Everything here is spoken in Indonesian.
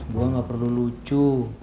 gua gak perlu lucu